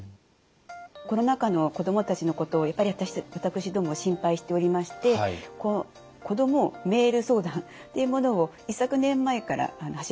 コロナ禍の子どもたちのことをやっぱり私どもは心配しておりまして子どもメール相談っていうものを一昨年前から走らせているんですね。